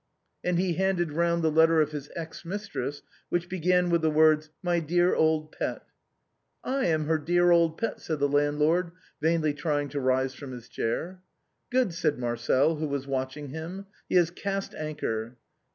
And he handed round the letter of his ex mistress, which began with the words " My dear old pet." " I am her dear old pet," said the landlord, vainly trying to rise from his chair. " Good," said Marcel, who was watching him, " he has cast anchor."